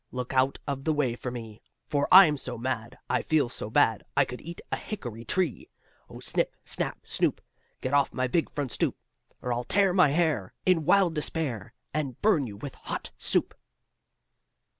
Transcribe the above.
Look out of the way for me. For I'm so mad, I feel so bad, I could eat a hickory tree! Oh, snip, snap, snoop! Get off my big front stoop, Or I'll tear my hair In wild despair, And burn you with hot soup!"